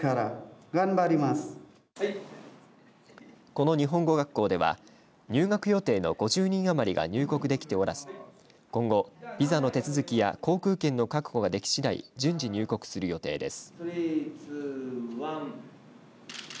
この日本語学校では入学予定の５０人余りが入国できておらず今後、ビザの手続きや航空券の確保ができしだい順次、入国する予定です。